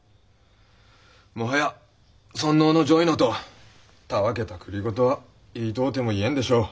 もはや尊皇の攘夷のとたわけた繰り言は言いとうても言えんでしょう。